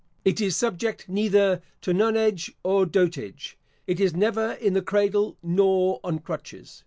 It is subject neither to nonage, nor dotage. It is never in the cradle, nor on crutches.